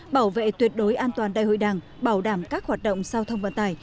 bảo vệ tuyệt đối an toàn đại hội đảng bảo đảm các hoạt động giao thông vận tải